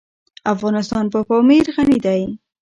افغانستان په پامیر غني دی.